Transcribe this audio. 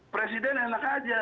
presiden enak aja